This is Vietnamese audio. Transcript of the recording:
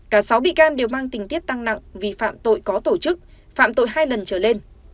cả sáu bị can đều mang tình tiết tăng nặng vì phạm tội có tổ chức phạm tội hai lần trở lên